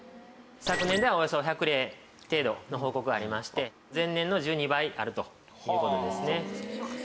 昨年ではおよそ１００例程度の報告がありまして前年の１２倍あるという事ですね。